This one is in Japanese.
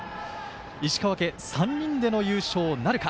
石川家３人での優勝なるか。